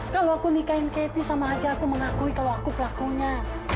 kalau aku nikahin ketie sama aca aku mengakui kalau aku pelakunya